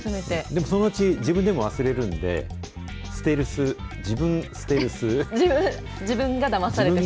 でもそのうち、自分でも忘れるんで、ステルス、自分がだまされる。